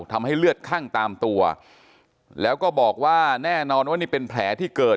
ทำให้เลือดคั่งตามตัวแล้วก็บอกว่าแน่นอนว่านี่เป็นแผลที่เกิด